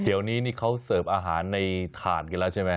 เดี๋ยวนี้นี่เขาเสิร์ฟอาหารในถ่านกันแล้วใช่ไหม